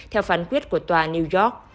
theo phán quyết của tòa new york